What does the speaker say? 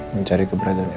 mencari keberadaan elsa